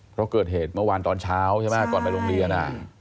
เพราะเกิดเหตุเมื่อวานตอนเช้าใช่ไหมก่อนไปโรงเรียน